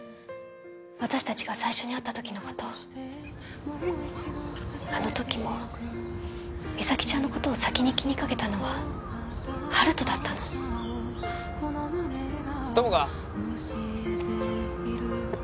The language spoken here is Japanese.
私達が最初に会った時のことあの時も実咲ちゃんのことを先に気にかけたのは温人だったの友果